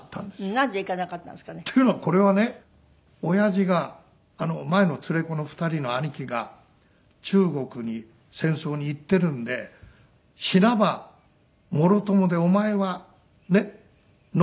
っていうのはこれはねおやじが前の連れ子の２人の兄貴が中国に戦争に行ってるんで「死なばもろともでお前は残れ」っつって。